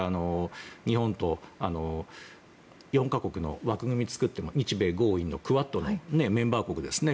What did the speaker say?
日本とも、４か国の枠組みを作った日米豪印のクアッドのメンバー国ですね。